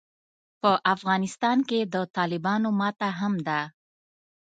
په افغانستان کې د طالبانو ماته هم ده.